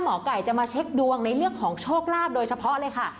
หมอไก่จะมาเช็คดวงในเรื่องของโชคลาภโดยเฉพาะเลยค่ะ